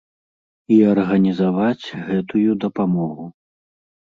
І арганізаваць гэтую дапамогу.